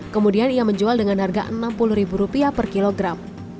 kemudian ia menjual dengan harga enam puluh ribu rupiah per kilogram